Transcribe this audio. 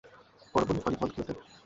তার বড় বোন ভলিবল খেলতেন।